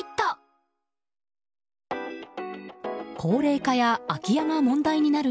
高齢化や空き家が問題になる